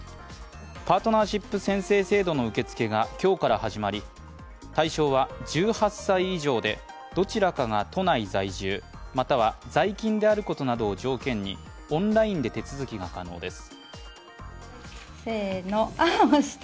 パートナーシップ宣誓制度の受け付けが今日から始まり、対象は１８歳以上でどちらかが都内在住または在勤であることなどを条件にオンラインで手続きが可能です。